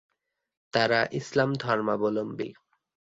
তারা ইসলাম ধর্মাবলম্বী।